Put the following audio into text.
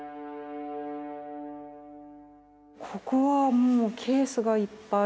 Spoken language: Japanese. ここはもうケースがいっぱい。